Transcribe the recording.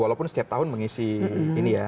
walaupun setiap tahun mengisi ini ya